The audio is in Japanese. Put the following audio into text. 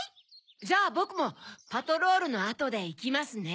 じゃあボクもパトロールのあとでいきますね。